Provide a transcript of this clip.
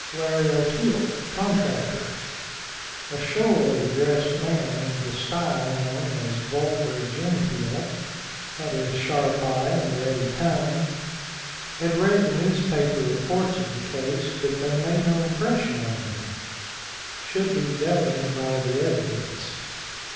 Larry O'Toole, contractor. A showily dressed man of the style known as "vulgar genteel," had a sharp eye and a ready tongue. Had read the newspaper reports of the case, but they made no impression on him. Should be governed by the evidence.